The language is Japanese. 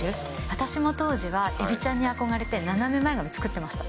私も当時は、エビちゃんに憧れて、斜め前髪作ってました。